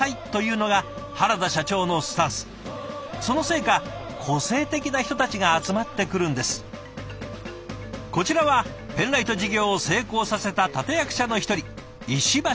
こちらはペンライト事業を成功させた立て役者の一人石橋佳苗さん。